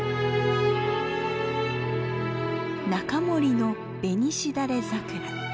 「仲森の紅しだれ桜」。